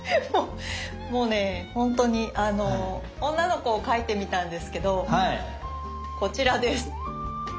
もうねほんとに女の子を描いてみたんですけどこちらです。